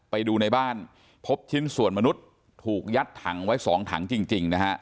ไปดูในบ้านพบชิ้นส่วนมนุษย์ถูกยัดถังไว้๒ถังจริงนะฮะ